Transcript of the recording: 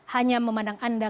hanya memandang anda